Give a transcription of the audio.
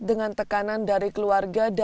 mereka menanggung anaknya mereka menanggung anaknya